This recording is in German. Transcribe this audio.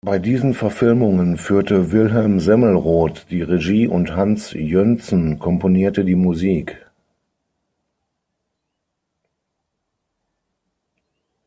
Bei diesen Verfilmungen führte Wilhelm Semmelroth die Regie und Hans Jönsson komponierte die Musik.